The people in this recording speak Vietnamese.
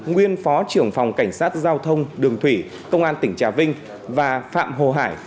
nguyên phó trưởng phòng cảnh sát giao thông đường thủy công an tỉnh trà vinh và phạm hồ hải